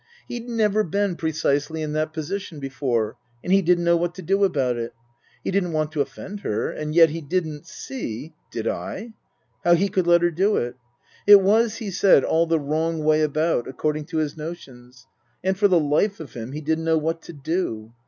He'd never been precisely in that position before and he didn't know what to do about it. He didn't want to offend her and yet he didn't see did I ? how he could let her do it. It was, he said, all the wrong way about, according to his notions. And for the life of him he didn't know what to do.